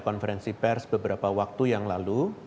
konferensi pers beberapa waktu yang lalu